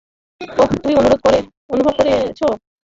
ওহ, তুমি অনুভব করেছ?